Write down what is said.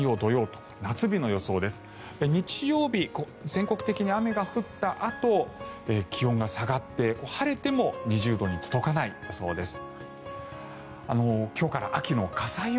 全国的に雨が降ったあと気温が下がって、晴れても２０度に届かない予想です。